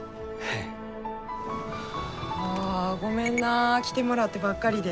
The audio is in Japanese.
ああごめんなあ来てもらってばっかりで。